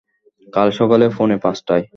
কাল সকাল পৌনে পাচটায়।